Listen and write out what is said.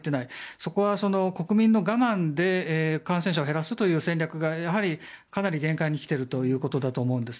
そこは国民の我慢で感染者を減らすという戦略がかなり限界にきているということだと思うんです。